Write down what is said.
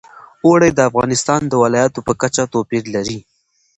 اوړي د افغانستان د ولایاتو په کچه توپیر لري.